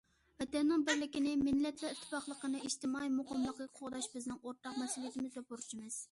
ۋەتەننىڭ بىرلىكىنى، مىللەتلەر ئىتتىپاقلىقىنى، ئىجتىمائىي مۇقىملىقنى قوغداش بىزنىڭ ئورتاق مەسئۇلىيىتىمىز ۋە بۇرچىمىز.